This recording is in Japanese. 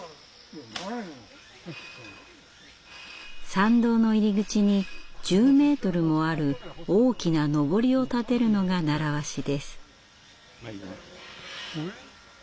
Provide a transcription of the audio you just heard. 参道の入り口に１０ｍもある大きなのぼりを立てるのが習わしです。